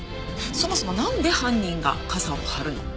そもそもなんで犯人が傘を張るの？